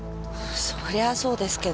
そりゃそうですけど。